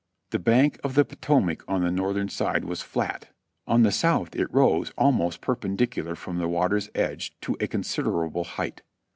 The bank of the Potomac on the northern side was flat, on the south it rose almost perpendicular from the water's edge to a considerable height.